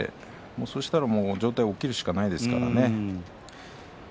そしたら上体が起きるしかないですからね。